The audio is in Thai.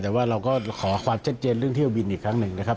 แต่ว่าเราก็ขอความชัดเจนเรื่องเที่ยวบินอีกครั้งหนึ่งนะครับ